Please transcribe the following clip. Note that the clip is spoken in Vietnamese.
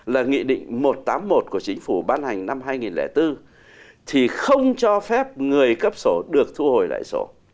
là nghị định một trăm tám mươi một của chính phủ ban hành năm hai nghìn bốn thì không cho phép người cấp sổ được thu hồi lại sổ